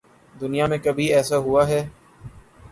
دنیا میں کبھی ایسا ہو اہے؟